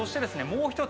もう一つ